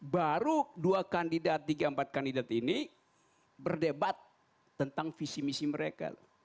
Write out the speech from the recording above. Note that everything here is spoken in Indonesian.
baru dua kandidat tiga empat kandidat ini berdebat tentang visi misi mereka